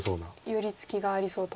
寄り付きがありそうと。